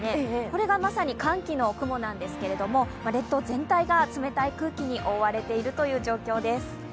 これがまさに寒気の雲なんですけれども列島全体が冷たい空気に覆われているという状況です。